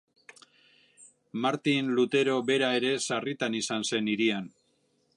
Martin Lutero bera ere sarritan izan zen hirian.